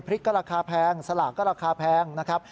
ก็ราคาแพงสลากก็ราคาแพงนะครับ